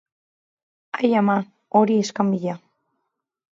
Ai ama, hori iskanbila!